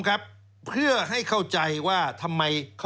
เอ๊ทำถูกกฎหมายแล้วมีการกวาดล้างที่สุดในประวัติศาสตร์ของเยอรมัน